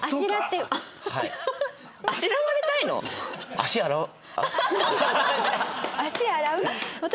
足洗う？